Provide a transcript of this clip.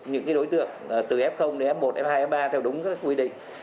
những đối tượng từ f đến f một f hai f ba theo đúng các quy định